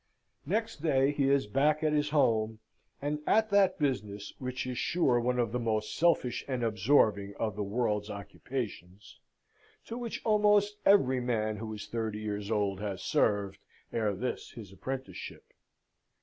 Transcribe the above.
Next day he is back at his home, and at that business which is sure one of the most selfish and absorbing of the world's occupations, to which almost every man who is thirty years old has served ere this his apprenticeship.